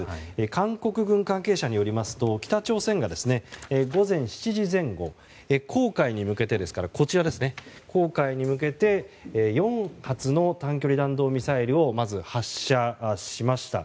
韓国軍関係者によりますと北朝鮮が午前７時前後黄海に向けて４発の短距離弾道ミサイルをまず発射しました。